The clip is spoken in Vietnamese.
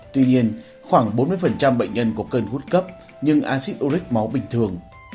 tuy nhiên khoảng bốn mươi bệnh nhân có cơn hút cấp nhưng acid uric máu bình thường